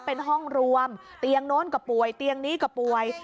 เป็นห้องรวมเตียงโน้นก็ป่วยเตียงนี้ก็ป่วย